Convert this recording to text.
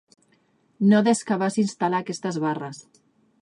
No des que vas instal·lar aquestes barres.